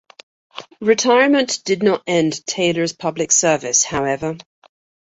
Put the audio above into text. Retirement did not end Taylor's public service, however.